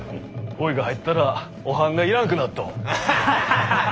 おいが入ったらおはんが要らんくなっど。